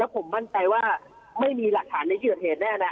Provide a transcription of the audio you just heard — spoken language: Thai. ผมมั่นใจว่าไม่มีหลักฐานในที่เกิดเหตุแน่นะ